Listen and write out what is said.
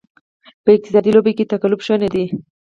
په اقتصادي لوبه کې تقلب شونې دی.